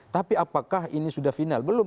tapi apakah ini sudah final belum